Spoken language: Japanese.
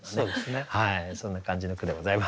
そんな感じの句でございます。